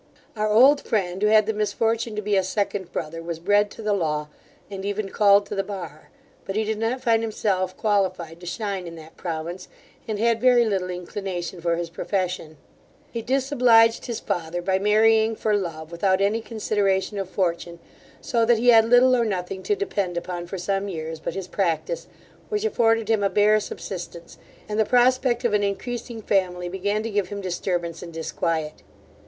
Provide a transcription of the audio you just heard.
Our old friend, who had the misfortune to be a second brother, was bred to the law, and even called to the bar; but he did not find himself qualified to shine in that province, and had very little inclination for his profession He disobliged his father, by marrying for love, without any consideration of fortune; so that he had little or nothing to depend upon for some years but his practice, which afforded him a bare subsistence; and the prospect of an increasing family, began to give him disturbance and disquiet.